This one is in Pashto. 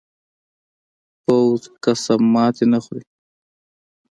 پوخ قسم ماتې نه خوري